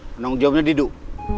penanggung jobnya diduk